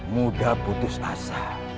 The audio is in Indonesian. mudah putus asa